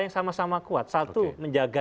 yang sama sama kuat satu menjaga